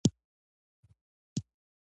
دا ماشوم رنګونه خوښوي.